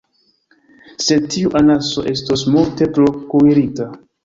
Sed tiu anaso estos multe tro kuirita!